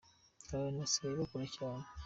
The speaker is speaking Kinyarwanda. Abantu basigaye bakora cyane